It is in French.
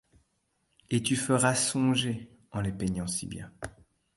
Et tu feras songer, en les peignant si bien